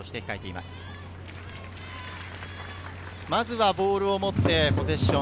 まずはボールを持ってポゼッション。